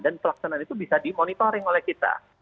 dan pelaksanaan itu bisa dimonitoring oleh kita